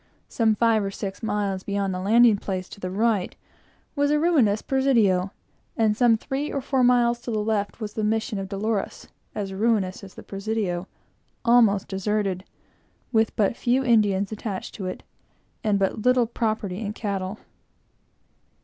Some five or six miles beyond the landing place, to the right, was a ruinous Presidio, and some three or four miles to the left was the Mission of Dolores, as ruinous as the Presidio, almost deserted, with but few Indians attached to it, and but little property in cattle.